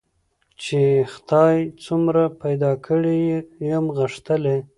چي خدای څومره پیدا کړی یم غښتلی